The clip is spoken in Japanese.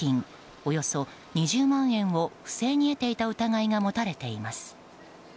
およそ２０万円を不正に得ていた疑いが持たれています。